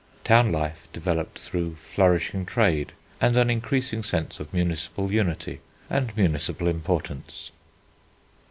Town life developed through flourishing trade and an increasing sense of municipal unity, and municipal importance.